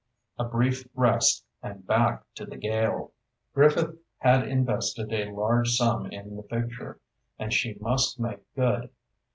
A brief rest and back to the gale. Griffith had invested a large sum in the picture, and she must make good.